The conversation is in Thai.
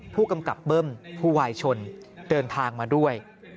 ผู้กำกับเบิ้มผู้วายชนเดินทางมาด้วย